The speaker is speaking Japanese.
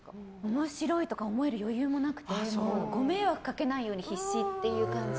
面白いとか思える余裕もなくてご迷惑かけないように必死って感じ。